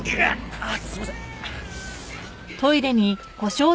あっすいません。